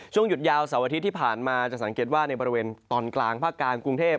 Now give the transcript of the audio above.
หยุดยาวเสาร์อาทิตย์ที่ผ่านมาจะสังเกตว่าในบริเวณตอนกลางภาคกลางกรุงเทพ